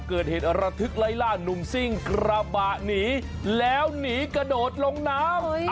กระบะหนีแล้วหนีกระโดดลงน้ำ